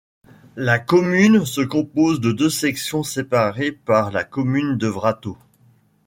La commune se compose de deux sections séparées par la commune de Vráto.